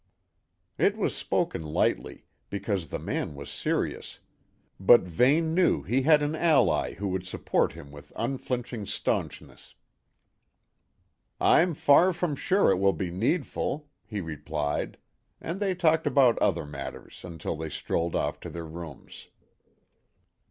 It was spoken lightly; because the man was serious, but Vane knew he had an ally who would support him with unflinching staunchness. "I'm far from sure it will be needful," he replied, and they talked about other matters until they strolled off to their rooms.